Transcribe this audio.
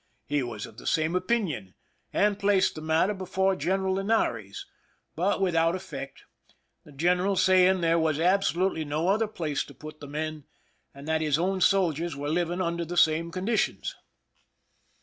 He was of the same opinion, and placed the matter before General Linares, but without effect, the general saying that there was absolutely no other place to f)ut the men, and that his own soldiers were living under the same conditions.